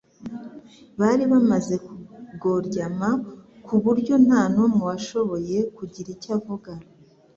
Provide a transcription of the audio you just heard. bari bamaze kugoryama ku buryo nta numwe washoboye kugira icyo avuga.